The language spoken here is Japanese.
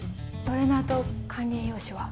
トレーナーと管理栄養士は？